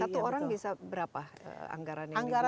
satu orang bisa berapa anggaran yang digunakan